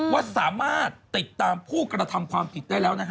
ว่าสามารถติดตามผู้กระทำความผิด